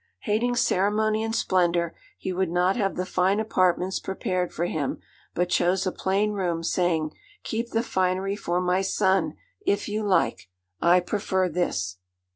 Hating ceremony and splendour, he would not have the fine apartments prepared for him, but chose a plain room, saying, 'Keep the finery for my son, if you like; I prefer this.'